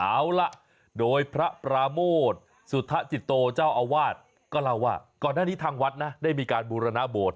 เอาล่ะโดยพระปราโมทสุทธจิตโตเจ้าอาวาสก็เล่าว่าก่อนหน้านี้ทางวัดนะได้มีการบูรณโบสถ